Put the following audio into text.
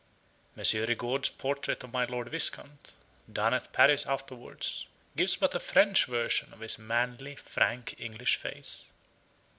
Mons. Rigaud's portrait of my Lord Viscount, done at Paris afterwards, gives but a French version of his manly, frank, English face.